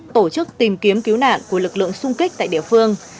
tổ chức tìm kiếm cứu nạn của lực lượng sung kích tại địa phương